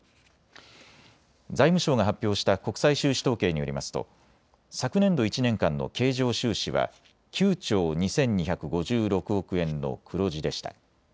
財務省が発表した国際収支統計によりますと昨年度１年間の経常収支は９兆２２５６億円の黒字でした。